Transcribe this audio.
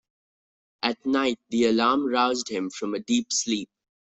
At night the alarm roused him from a deep sleep.